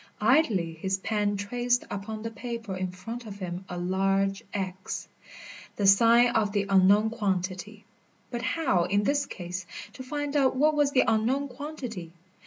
Idly his pen traced upon the paper in front of him a large X, the sign of the unknown quantity. But how, in this case, to find out what was the unknown quantity?